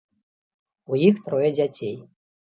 У іх трое дзяцей.